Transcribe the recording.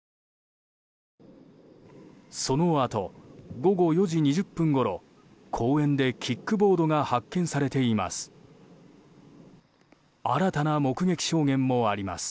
そのあと、午後４時２０分ごろ公園でキックボードが発見されています。